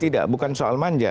tidak bukan soal manja